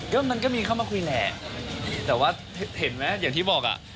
ก็มันก็มีเข้ามาคุยแหละแต่ว่าเห็นไหมอย่างที่บอกอ่ะ